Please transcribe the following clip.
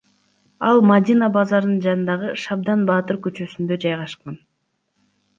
Ал Мадина базарынын жанындагы Шабдан баатыр көчөсүндө жайгашкан.